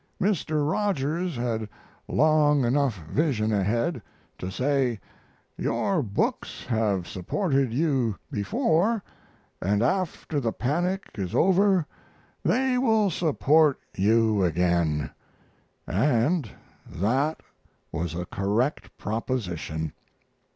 Mr. Rogers had long enough vision ahead to say, "Your books have supported you before, and after the panic is over they will support you again," and that was a correct proposition.